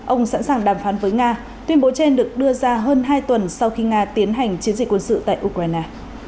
ông sẵn sàng đàm phán với nga tuyên bố trên được đưa ra hơn hai tuần sau khi nga tiến hành chiến dịch quân sự tại ukraine